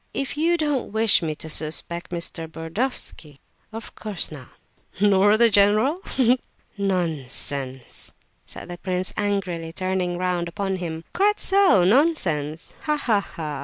"If you don't wish me to suspect Mr. Burdovsky?" "Of course not." "Nor the general? Ha, ha, ha!" "Nonsense!" said the prince, angrily, turning round upon him. "Quite so, nonsense! Ha, ha, ha!